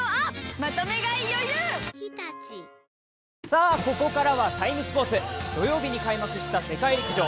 さあ、ここからは「ＴＩＭＥ，スポーツ」土曜日に開幕した世界陸上。